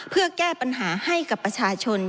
เพื่อแก้ปัญหาให้กับประชาชน